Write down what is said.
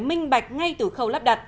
minh bạch ngay từ khâu lắp đặt